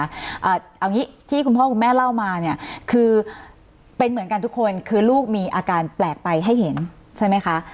เอาอย่างนี้ที่คุณพ่อคุณแม่เล่ามาเนี่ยคือเป็นเหมือนกันทุกคนคือลูกมีอาการแปลกไปให้เห็นใช่ไหมคะ